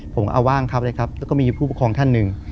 ผมเอาว่างทับเลยครับแล้วก็มีผู้ปกครองท่านหนึ่ง